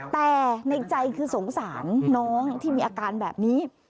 แต่ในใจคือสงสารน้องที่มีอาการแบบนี้